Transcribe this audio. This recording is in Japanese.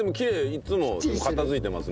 いつも片付いてます